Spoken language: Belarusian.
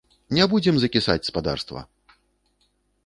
Не будзем закісаць, спадарства!